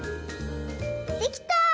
できた！